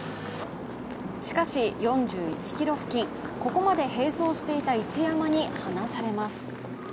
しかし４１ｋｍ付近ここまで並走していた一山に離されます。